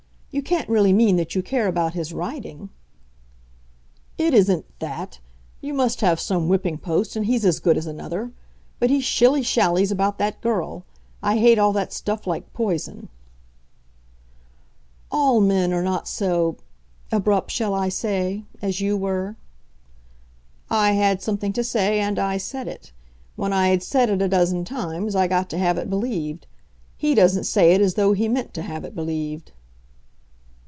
You can't really mean that you care about his riding?" "It isn't that. You must have some whipping post, and he's as good as another. But he shilly shallies about that girl. I hate all that stuff like poison." "All men are not so abrupt shall I say? as you were." "I had something to say, and I said it. When I had said it a dozen times, I got to have it believed. He doesn't say it as though he meant to have it believed."